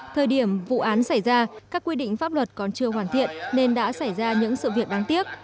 thời điểm vụ án xảy ra các quy định pháp luật còn chưa hoàn thiện nên đã xảy ra những sự việc đáng tiếc